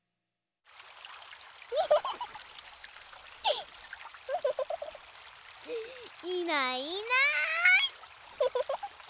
いないいない。